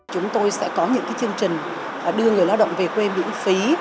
chúng tôi sẽ có những chương trình đưa người lao động về quê miễn phí